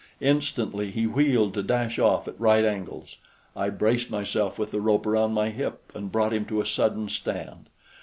Instantly he wheeled to dash off at right angles. I braced myself with the rope around my hip and brought him to a sudden stand.